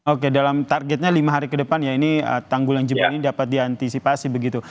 oke dalam targetnya lima hari ke depan ya ini tanggul yang jebol ini dapat diantisipasi begitu